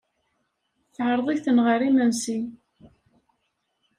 Teɛreḍ-iten ɣer yimensi.